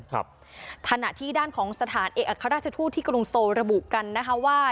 ท่านหน้าที่ด้านของสถานเอกอัฆราชธุที่กรุงโซระบุกันนะคะว่า